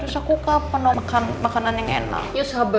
terus aku makan makanan yang enak